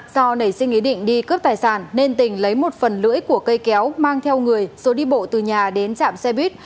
do nảy sinh ý định đi cướp tài sản nên tình lấy một phần lưỡi của cây kéo mang theo người rồi đi bộ từ nhà đến trạm xe buýt